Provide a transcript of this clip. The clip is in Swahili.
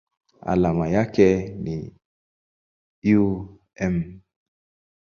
Alama yake ni µm.